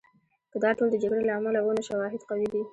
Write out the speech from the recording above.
که دا ټول د جګړې له امله وو، نو شواهد قوي دي.